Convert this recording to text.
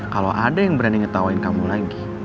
kalau ada yang berani ngetawain kamu lagi